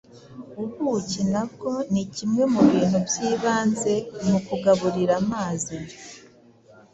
Ubuki nabwo ni kimwe mu bintu by’ibanze mu kugaburira amazi